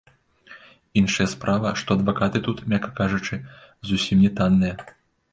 Іншая справа, што адвакаты тут, мякка кажучы, зусім не танныя.